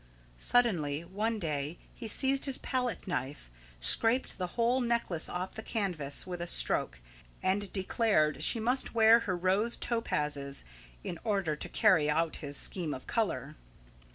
Suddenly one day he seized his palette knife, scraped the whole necklace off the canvas with a stroke and, declared she must wear her rose topazes in order to carry out his scheme of colour.